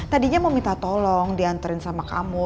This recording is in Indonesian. tadinya mau minta tolong diantarin sama kamu